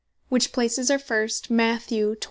Which places are first, Mat. 24.